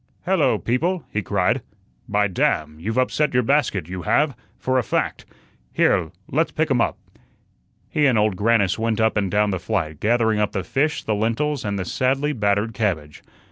"Hello, people," he cried. "By damn! you've upset your basket you have, for a fact. Here, let's pick um up." He and Old Grannis went up and down the flight, gathering up the fish, the lentils, and the sadly battered cabbage.